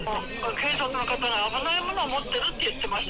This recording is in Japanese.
警察の方が、危ないものを持ってるって言ってました。